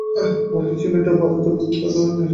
আমার ছেলেটা ভালো, তবে বোকা ধরনের।